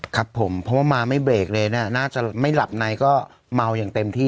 ครับผมเพราะว่ามาไม่เบรกเลยนะน่าจะไม่หลับในก็เมาอย่างเต็มที่